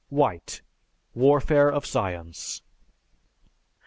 (_White: "Warfare of Science."